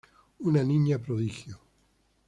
Una niña prodigio.